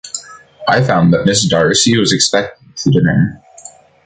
I found that Miss Darcy was expected to dinner.